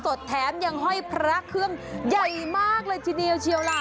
สุดแท้งยังใฮ่พระเคลื่อยย่ายมากเลยที่นี่เฉี่ยวล่ะ